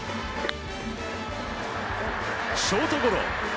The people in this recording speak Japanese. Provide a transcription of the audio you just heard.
ショートゴロ。